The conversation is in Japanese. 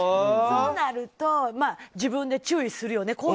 そうなると、自分で注意するよね。